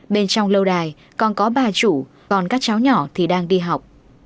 bên trong lâu đài còn có bà chủ còn các cháu nhỏ thì đang đi học